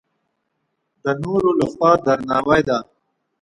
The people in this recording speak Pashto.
د نورو له خوا درناوی ده.